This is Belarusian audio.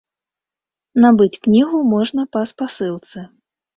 Набыць кнігу можна па спасылцы.